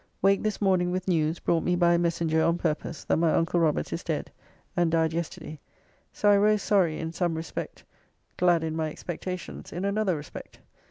Waked this morning with news, brought me by a messenger on purpose, that my uncle Robert is dead, and died yesterday; so I rose sorry in some respect, glad in my expectations in another respect.